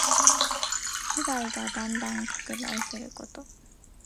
被害がだんだん拡大すること。